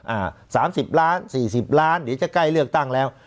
อ่าสามสิบล้านสี่สิบล้านเดี๋ยวจะใกล้เลือกตั้งแล้ว